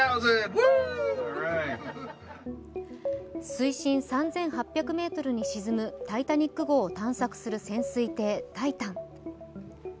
水深３８００ｍに沈む「タイタニック」号を探索する潜水艇「タイタン」。